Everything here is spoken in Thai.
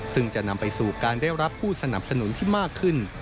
ซึ่งจะนำไปสู่การได้รับผู้สนับสนุนที่มากขึ้น